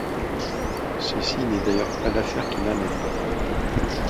Ceci n’est d’ailleurs pas l’affaire qui m’amène.